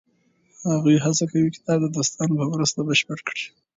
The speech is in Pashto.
هغوی هڅه کوي کتاب د دوستانو په مرسته بشپړ کړي.